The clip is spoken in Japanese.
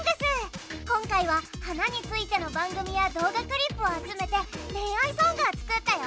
今回は花についての番組や動画クリップを集めて恋愛ソングを作ったよ。